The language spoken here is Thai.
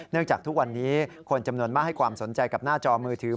จากทุกวันนี้คนจำนวนมากให้ความสนใจกับหน้าจอมือถือ